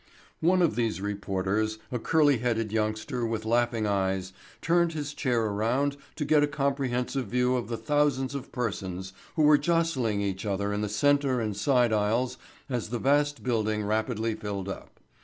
One of these reporters, a curly headed youngster with laughing eyes, turned his chair around to get a comprehensive view of the thousands of persons who were jostling each other in the center and side aisles as the vast building rapidly filled up.